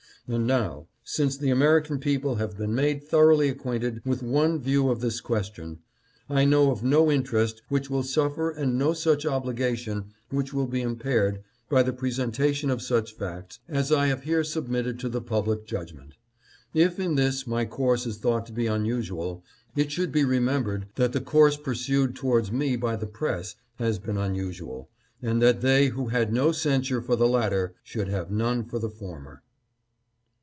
" And now, since the American people have been made thoroughly acquainted with one view of this question, I know of no interest which will suffer and no just obli gation which will be impaired by the presentation of such facts as I have here submitted to the public judg ment. If in this my course is thought to be unusual, it should be remembered that the course pursued towards me by the press has been unusual, and that they who 752 FINAL WORDS. had no censure for the latter should have none for the former."